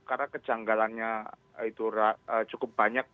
karena kejanggalannya itu cukup banyak